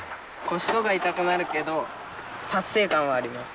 腰とか痛くなるけど達成感はあります。